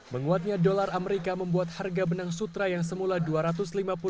menguatnya dolar amerika membuat harga benang sutra yang semula duit